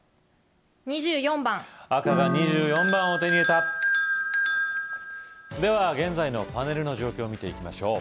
２４番赤が２４番を手に入れた・・では現在のパネルの状況見ていきましょう